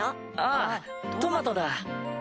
あトマトだ。